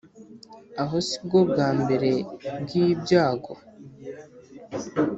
Aho si bwo bwa mbere bw'ibyago